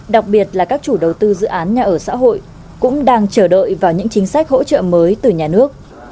đặc biệt là các chủ đầu tư dự án nhà ở xã hội cũng đang chờ đợi vào những chính sách hỗ trợ mới từ nhà nước